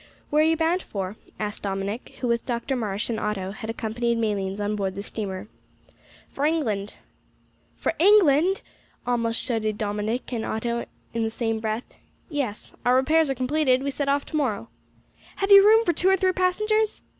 "Where are you bound for?" asked Dominick, who with Dr Marsh and Otto had accompanied Malines on board the steamer. "For England." "For England?" almost shouted Dominick and Otto in the same breath. "Yes. Our repairs are completed, we set off to morrow." "Have you room for two or three passengers?"